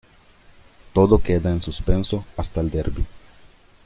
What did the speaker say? Todo queda en suspenso hasta el derbi.